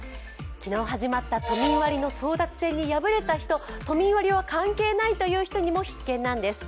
昨日始まった都民割の争奪戦に敗れた人、都民割は関係ないという人にも必見なんです。